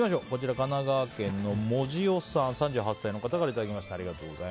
神奈川県の３８歳の方からいただきました。